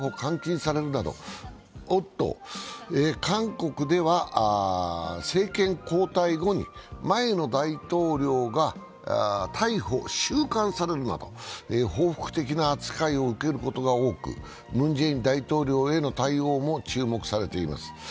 韓国では政権交代後に前の大統領が逮捕・収監されるなど報復的な扱いを受けることが多くムン・ジェイン大統領への対応も注目されています。